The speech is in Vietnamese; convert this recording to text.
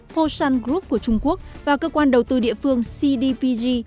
foshan group của trung quốc và cơ quan đầu tư địa phương cdpg